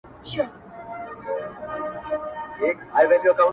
د شپې نه وروسته بيا سهار وچاته څه وركوي ـ